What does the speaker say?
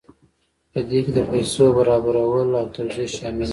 په دې کې د پیسو برابرول او توزیع شامل دي.